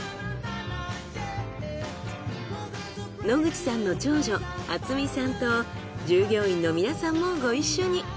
野口さんの長女温美さんと従業員の皆さんもご一緒に。